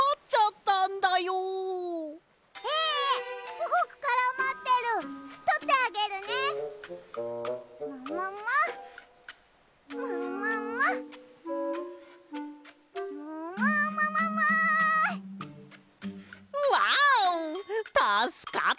たすかった！